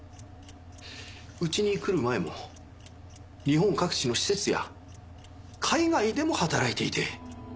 うちに来る前も日本各地の施設や海外でも働いていて。